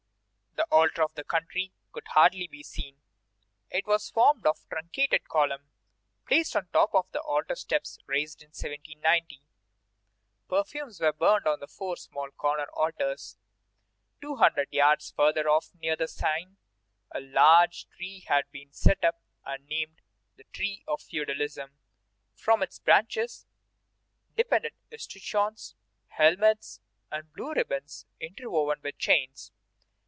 The Altar of the Country could hardly be seen. It was formed of a truncated column placed on the top of the altar steps raised in 1790. Perfumes were burned on the four small corner altars. Two hundred yards farther off, near the Seine, a large tree had been set up and named the Tree of Feudalism. From its branches depended escutcheons, helmets, and blue ribbons interwoven with chains.